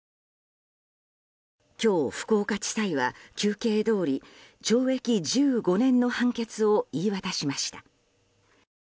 今日、福岡地裁は求刑どおり懲役１５年の判決を言い渡しました。